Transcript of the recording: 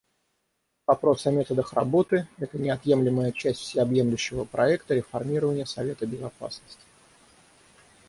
Вопрос о методах работы — это неотъемлемая часть всеобъемлющего проекта реформирования Совета Безопасности.